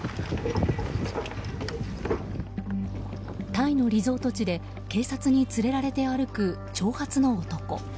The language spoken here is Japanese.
タイのリゾート地で警察に連れられて歩く、長髪の男。